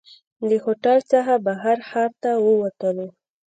له هوټل څخه بهر ښار ته ووتلو.